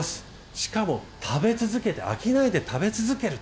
しかも食べ続けて飽きないで食べ続ける。